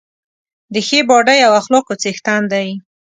د ښې باډۍ او اخلاقو څښتن دی.